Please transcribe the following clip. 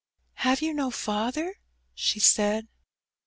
"Have you no father?" she said.